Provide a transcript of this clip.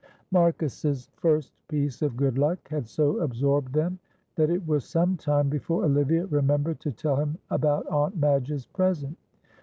Marcus's first piece of good luck had so absorbed them that it was some time before Olivia remembered to tell him about Aunt Madge's present.